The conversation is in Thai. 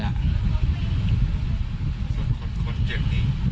คนเจ็บไม่คุ้นนะคะ